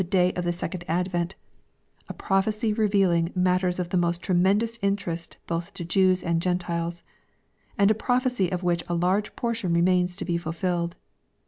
day of the second advent, — a prophecy rercaling mat ters of the most tremendous interest both to Jews and G entiles,— and a prophecy of which a large portion re mains to be fulfilled.